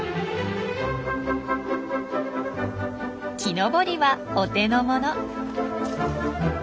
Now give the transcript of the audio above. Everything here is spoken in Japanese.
木登りはお手の物。